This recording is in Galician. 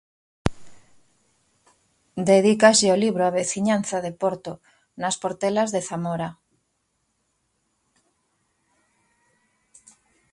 Dedícaslle o libro á veciñanza de Porto, nas Portelas de Zamora.